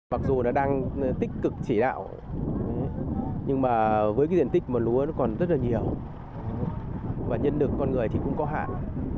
mặc dù là đang tích cực chỉ đạo nhưng mà với cái diện tích mà lúa nó còn rất là nhiều và nhân lực con người thì cũng có hạn